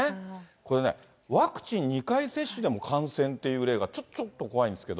これね、ワクチン２回接種でも感染っていう例がちょっと怖いんですけど。